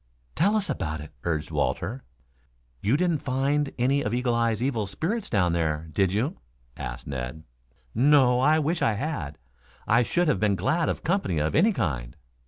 "Tell us about it," urged Walter. "You didn't find any of Eagle eye's evil spirits down there, did you?" asked Ned. "No. I wish I had. I should have been glad of company of any kind."